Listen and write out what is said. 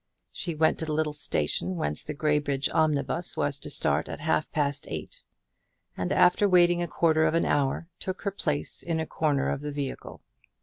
She went to the little station whence the Graybridge omnibus was to start at half past eight; and after waiting a quarter of an hour took her place in a corner of the vehicle.